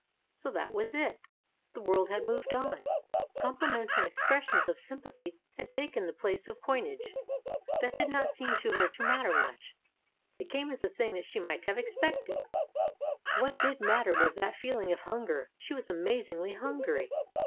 So that was it; the world had moved on; compli ments and expressions of sympathy had taken the place of coinage. That did not seem to her to matter much ; it came as a thing that she might have expected. What did mat ter was that feeling of hunger she was amazingly hungry.